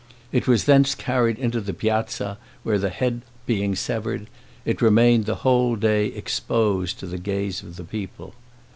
It was thence carried into the piazza, where the head being severed, it remained the whole day exposed to the gaze of the people.